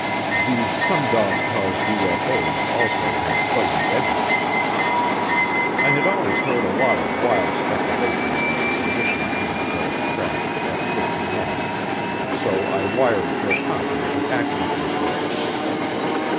These sundog caused UFO's also had fuzzy edges. I had always heard a lot of wild speculation about the condition of Mantell's crashed F 51, so I wired for a copy of the accident report.